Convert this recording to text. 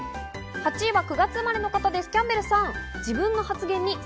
８位は９月生まれの方、キャンベルさん。